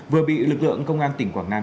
vừa bị lực lượng công an tỉnh quảng nam